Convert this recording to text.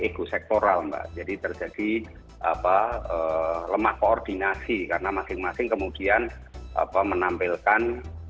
ego sektoral mbak jadi terjadi apa lemah koordinasi karena masing masing kemudian apa menampilkan